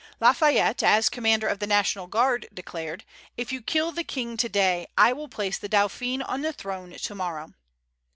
Lafayette, as commander of the National Guard, declared, "If you kill the King to day, I will place the Dauphin on the throne to morrow."